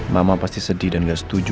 mama pasti sedih dan gak setuju